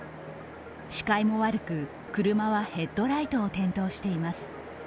視界も悪く、車はヘッドライトを点灯しています。